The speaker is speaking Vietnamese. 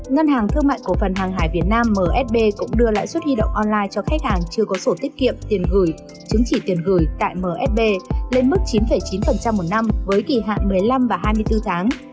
ngân hàng thương mại cổ phần hàng hải việt nam msb cũng đưa lãi suất huy động online cho khách hàng chưa có sổ tiết kiệm tiền gửi chứng chỉ tiền gửi tại msb lên mức chín chín một năm với kỳ hạn một mươi năm và hai mươi bốn tháng